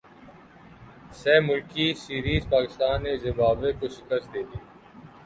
سہ ملکی سیریزپاکستان نے زمبابوے کو شکست دیدی